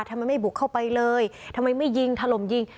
ทำไมไม่บุกเข้าไปเลยทำไมไม่ยิงถล่มยิง